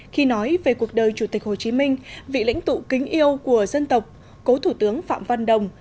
khi nói về cuộc đời chủ tịch hồ chí minh vị lãnh tụ kính yêu của dân tộc cố thủ tướng phạm văn đồng